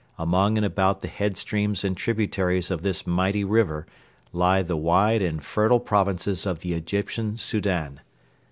Among and about the headstreams and tributaries of this mighty river lie the wide and fertile provinces of the Egyptian Soudan.